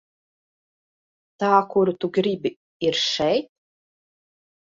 Tā kuru tu gribi, ir šeit?